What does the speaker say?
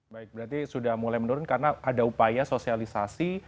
baik berarti sudah mulai menurun karena ada upaya sosialisasi